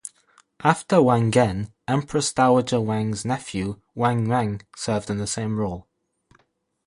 After Wang Gen, Empress Dowager Wang's nephew Wang Mang served in the same role.